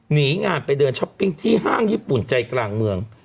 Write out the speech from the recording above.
หนีงานไปเดินช้อปปิ้งที่ห้างญี่ปุ่นใจกลางเมือง